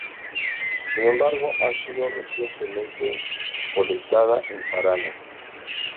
Sin embargo, ha sido recientemente colectada en Paraná.